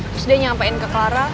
terus dia nyampein ke clara